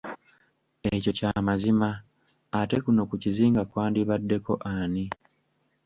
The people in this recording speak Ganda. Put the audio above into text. Ekyo kya mazima ate kuno ku kizinga kwandibaddeko ani!